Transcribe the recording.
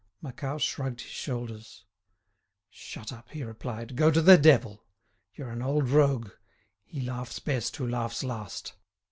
Macquart shrugged his shoulders. "Shut up," he replied; "go to the devil. You're an old rogue. He laughs best who laughs last."